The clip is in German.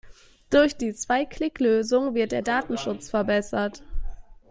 Durch die Zwei-Klick-Lösung wird der Datenschutz verbessert.